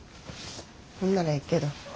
そんならええけど。